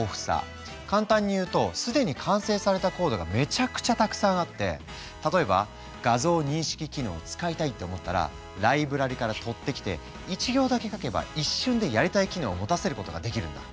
簡単に言うと既に完成されたコードがめちゃくちゃたくさんあって例えば画像認識機能を使いたいって思ったらライブラリから取ってきて１行だけ書けば一瞬でやりたい機能を持たせることができるんだ。